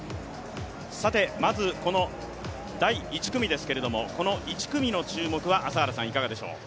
まず第１組ですけどこの１組の注目は朝原さん、いかがでしょう？